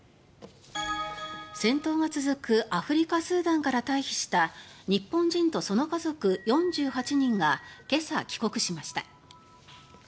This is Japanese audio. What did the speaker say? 戦闘が続くアフリカ・スーダンから退避した日本人とその家族４８人が今朝、帰国しました。